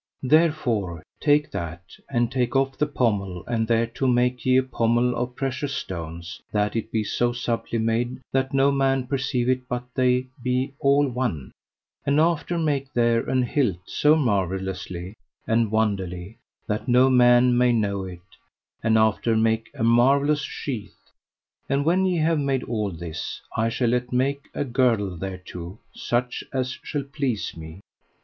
Therefore take that, and take off the pommel, and thereto make ye a pommel of precious stones, that it be so subtly made that no man perceive it but that they be all one; and after make there an hilt so marvellously and wonderly that no man may know it; and after make a marvellous sheath. And when ye have made all this I shall let make a girdle thereto, such as shall please me.